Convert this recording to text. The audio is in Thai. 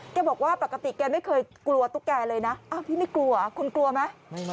แกบอกว่าปกติแกไม่เคยกลัวตุ๊กแกเลยนะพี่ไม่กลัวคุณกลัวไหม